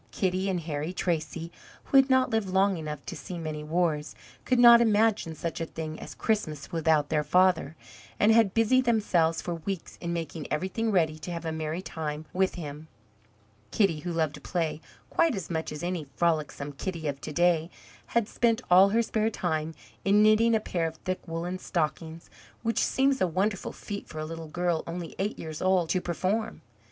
Kitty and Harry Tracy, who had not lived long enough to see many wars, could not imagine such a thing as Christmas without their father, and had busied themselves for weeks in making everything ready to have a merry time with him. Kitty, who loved to play quite as much as any frolicsome Kitty of to day, had spent all her spare time in knitting a pair of thick woollen stockings, which seems a wonderful feat for a little girl only eight years old to perform!